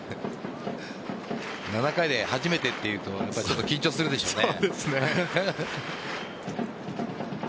７回で初めてというと緊張するでしょうね。